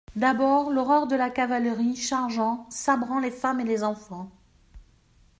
D'abord l'horreur de la cavalerie chargeant, sabrant, les femmes et les enfants.